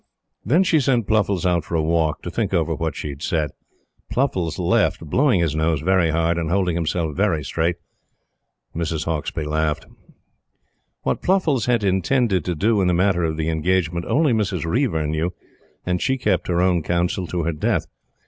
Then she sent Pluffles out for a walk, to think over what she had said. Pluffles left, blowing his nose very hard and holding himself very straight. Mrs. Hauksbee laughed. What Pluffles had intended to do in the matter of the engagement only Mrs. Reiver knew, and she kept her own counsel to her death.